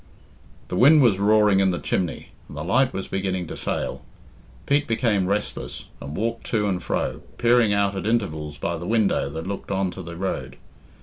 The wind was roaring in the chimney, and the light was beginning to fail. Pete became restless, and walked to and fro, peering out at intervals by the window that looked on to the road.